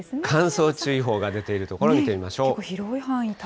乾燥注意報が出ている所を見てみましょう。